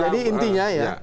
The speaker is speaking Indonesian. jadi intinya ya